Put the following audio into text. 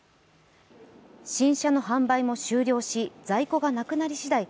新車の販売も終了し、在庫がなくなりしだい